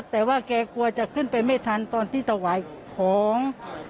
แต่ว่าแกกลัวจะขึ้นไปไม่ทันตอนที่ถวายของ